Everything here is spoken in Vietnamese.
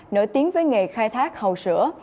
nổi tiếng với nghề khai thác hầu sữa